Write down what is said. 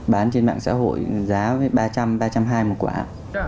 bán trên mạng xã hội giá ba trăm linh ba trăm hai mươi một quán